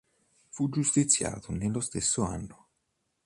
Fu giustiziato nello stesso anno.